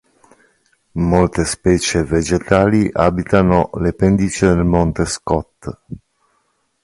Molte specie vegetali abitano le pendici del monte Scott.